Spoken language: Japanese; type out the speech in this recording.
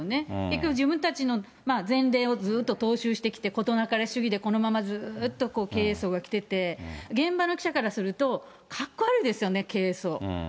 結局自分たちの前例がずっと踏襲してきて、事なかれ主義で、このままずっと経営層がきてて、現場の記者からすると、格好悪いですよね、経営層。